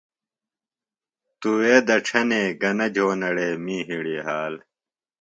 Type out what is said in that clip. تُوے دڇھنے گنہ جھونڑے می ہڑی حال۔